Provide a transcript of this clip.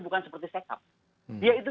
bukan seperti setap dia itu